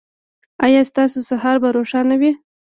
ایا ستاسو سهار به روښانه وي؟